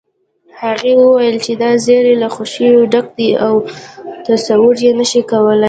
هغې وويل چې دا زيری له خوښيو ډک دی او تصور يې نشې کولی